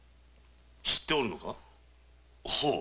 知っておるのか？